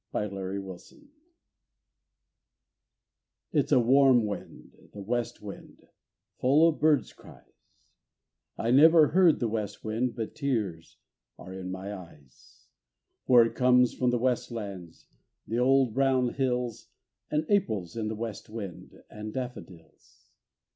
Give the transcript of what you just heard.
THE WEST WIND It's a warm wind, the west wind, full of birds' cries; I never hear the west wind but tears are in my eyes. For it comes from the west lands, the old brown hills, And April's in the west wind, and daffodils.